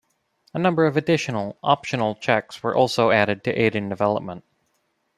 A number of additional, optional checks were also added to aid in development.